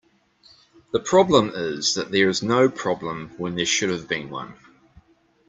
The problem is that there is no problem when there should have been one.